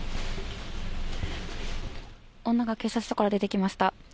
女が警察署から出てきました。